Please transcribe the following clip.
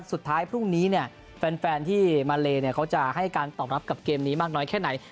สุดท้ายพรุ่งนี้เนี่ยแฟนที่มาเลเขาจะให้การตอบรับกับเกมนี้มากน้อยแค่ไหน